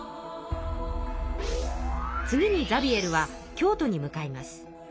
次にザビエルは京都に向かいます。